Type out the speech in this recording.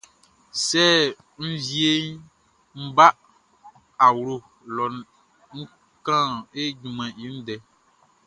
Sɛ n wieʼn ń bá ɔ awlo lɔ ń kán e junmanʼn i ndɛ.